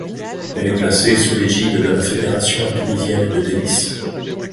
Elle est placée sous l'égide de la Fédération tunisienne de tennis.